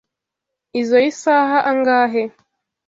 Izoi saha angahe?